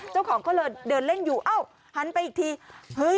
เจ้าของก็เลยเดินเล่นอยู่เอ้าหันไปอีกที